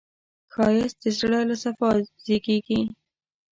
ښایست د زړه له صفا زېږېږي